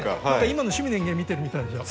今の「趣味の園芸」見てるみたいでしょ。